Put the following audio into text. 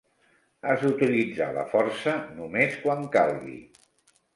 Has d'utilitzar la força només quan calgui.